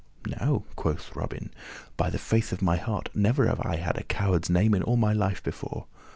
"Now," quoth Robin, "by the faith of my heart, never have I had a coward's name in all my life before.